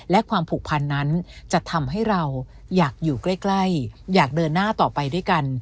และความผูกพันนั้นจะทำให้เราอยากอยู่ใกล้อยากเดินหน้าต่อไปด้วยกัน